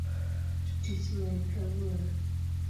Tich ng'eny kawuono